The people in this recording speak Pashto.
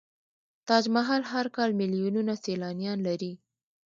تاج محل هر کال میلیونونه سیلانیان لري.